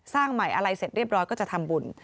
สร้างใหม่อะไรเสร็จเรียบร้อยก็จะทำบุญ